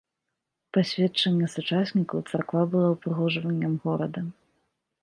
Па сведчанні сучаснікаў, царква была упрыгожваннем горада.